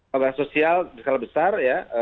pembatasan sosial berskala besar